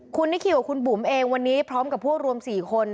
คุณนิคิวกับคุณบุ๋มเองวันนี้พร้อมกับพวกรวม๔คน